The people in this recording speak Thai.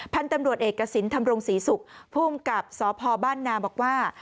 พันธุ์ตำรวจเอกสินธรรมรงศรีศุกร์ภูมิกับสพบ้านนาบอกว่า